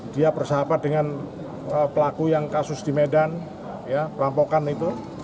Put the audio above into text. dia bersahabat dengan pelaku yang kasus di medan perampokan itu